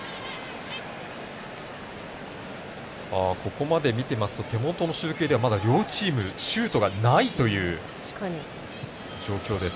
ここまで見てますと手元の集計ではまだ両チーム、シュートがないという状況です。